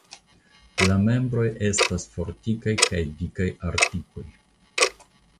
La membroj estas fortikaj kun dikaj artikoj.